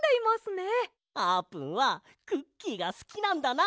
あーぷんはクッキーがすきなんだな！